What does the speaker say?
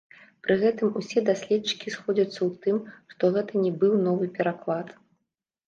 Пры гэтым усе даследчыкі сходзяцца ў тым, што гэта не быў новы пераклад.